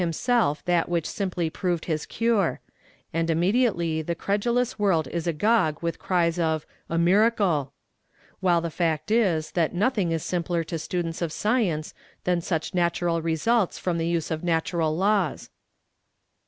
lf lliat wiiich simply proved his ciiri^; and imnuMliately the cnHlulous world is a'f'oo; with cries of 'a miracle I ' while the fact is, that notliin^* is simi)ler to students of science than such natural results from the use of natural laws."